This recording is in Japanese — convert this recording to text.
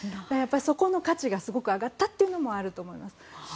そこの価値がすごく上がったことがあると思います。